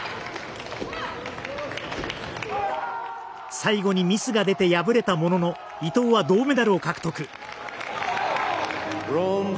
最後にミスが出て敗れたものの伊藤は銅メダルを獲得。